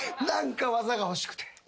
何か技が欲しくて。